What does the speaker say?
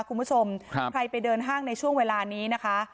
คุณผู้ชมครับใครไปเดินห้างในช่วงเวลานี้นะคะ